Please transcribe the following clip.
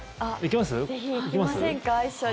ぜひ行きませんか一緒に。